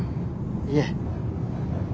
いえ。